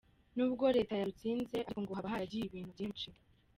Nubwo Leta yarutsinze ariko ngo haba haragiye ibintu byinshi.